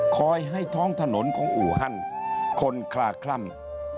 ให้ท้องถนนของอู่ฮั่นคนคลาคล่ำ